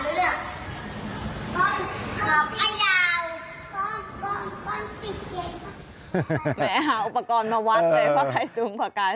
เนี่ยอาจออกอร์ปกรมาวัดเลยว่าใครสูงกว่ากัน